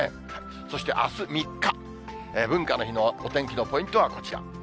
そして、あす３日、文化の日のお天気のポイントはこちら。